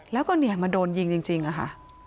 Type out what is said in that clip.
แล้วก็เนี่ยมาโดนยิงจริงอะค่ะ